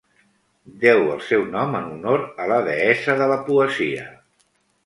Deu el seu nom en honor a la deessa de la poesia.